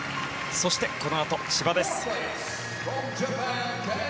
そして、このあと千葉です。